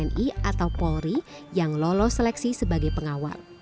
tni atau polri yang lolos seleksi sebagai pengawal